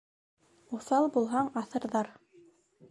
Уҫал булһаң, аҫырҙар.